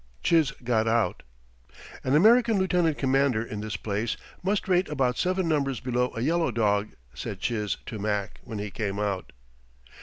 Chiz got out. "An American lieutenant commander in this place must rate about seven numbers below a yellow dog," said Chiz to Mac when he came out.